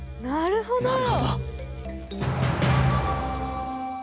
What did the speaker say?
なるほど。